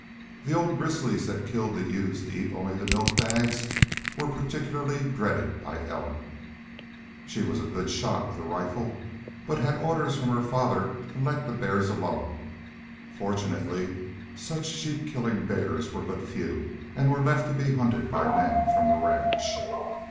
The old grizzlies that killed the ewes to eat only the milk bags were particularly dreaded by Ellen. She was a good shot with a rifle, but had orders from her father to let the bears alone. Fortunately, such sheep killing bears were but few, and were left to be hunted by men from the ranch.